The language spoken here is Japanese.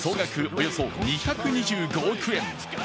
およそ２２５億円。